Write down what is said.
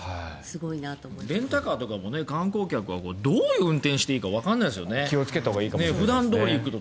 レンタカーとかも観光客はどういう運転をしていいかわからないですよね。